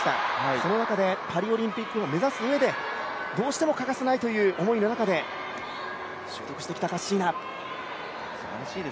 その中でパリオリンピックを目指す中でどうしても欠かせないという思いの中で習得してきた、カッシーナ。